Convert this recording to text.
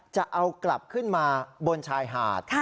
จะเอากลับขึ้นมาบนชายหาด